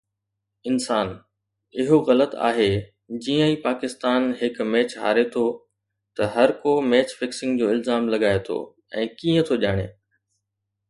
انسان، اهو غلط آهي. جيئن ئي پاڪستان هڪ ميچ هاري ٿو ته هرڪو ميچ فڪسنگ جو الزام لڳائي ٿو ۽ ڪيئن ٿو ڄاڻي